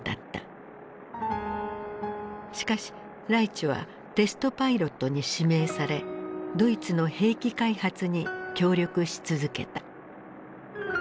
しかしライチュはテストパイロットに指名されドイツの兵器開発に協力し続けた。